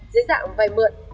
hai dưới dạng vay mượn